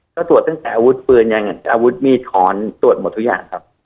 ก็ตรวจตั้งแต่อาวุธปืนยังอาวุธมีดขอนตรวจหมดทุกอย่างครับ